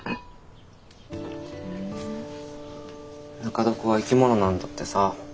ぬか床は生き物なんだってさ。